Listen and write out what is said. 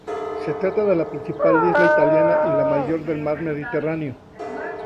Se trata de la principal isla italiana y la mayor del mar Mediterráneo.